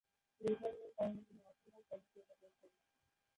Pace বোলিংয়ের কারণে তিনি অসম্ভব জনপ্রিয়তা পেয়েছেন।